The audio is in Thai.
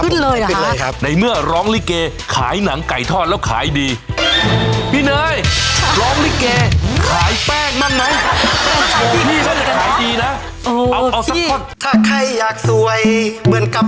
วนไทยนะครับจาวันนครราชจะฝีมาอากาบปุดก็ได้ครับ